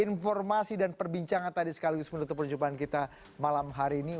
informasi dan perbincangan tadi sekaligus menutup perjumpaan kita malam hari ini